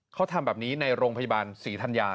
เขาทำแบบนี้ในโรงพยาบาลศรีธัญญา